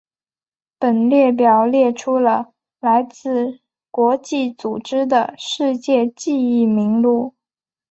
本列表列出了来自国际组织的世界记忆名录。